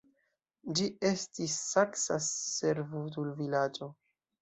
Ĝi estis saksa servutulvilaĝo.